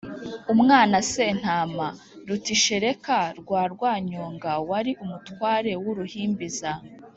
umwana sentama: rutishereka rwa rwanyonga wari umutware w’uruhimbaza